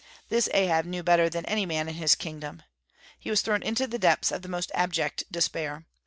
This Ahab knew better than any man in his kingdom. He was thrown into the depths of the most abject despair.